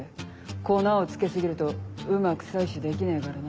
粉をつけ過ぎるとうまく採取できねえからな。